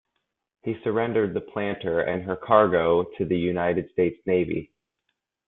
He surrendered the "Planter" and her cargo to the United States Navy.